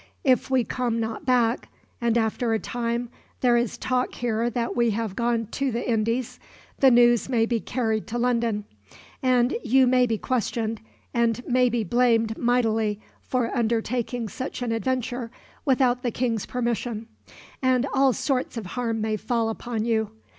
If we come not back, and after a time there is a talk here that we have gone to the Indies, the news may be carried to London; and you may be questioned, and may be blamed mightily for undertaking such an adventure, without the king's permission; and all sorts of harm may fall upon you.